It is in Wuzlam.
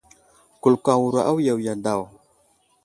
Kulko awuro awiya wiya daw.